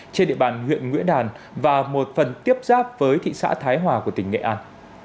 trên địa bàn huyện nghĩa đàn và một phần tiếp giáp với thị xã thái hòa của tỉnh nghệ an